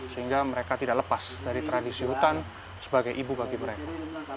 sehingga mereka tidak lepas dari tradisi hutan sebagai ibu bagi mereka